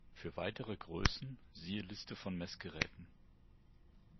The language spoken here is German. Für weitere Größen siehe Liste von Messgeräten